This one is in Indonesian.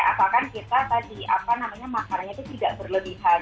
apalagi kita tadi makannya itu tidak berlebihan